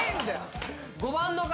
５番の方。